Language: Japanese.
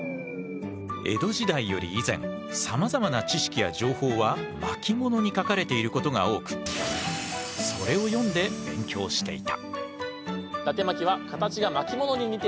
江戸時代より以前さまざまな知識や情報は巻物に書かれていることが多くそれを読んで勉強していた。